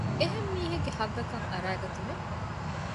އެހެން މީހެއްގެ ޙައްޤަކަށް އަރައިގަތުމެއް